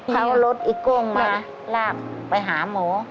เขาลดไอ้ก้งมาลากไปหาหมอ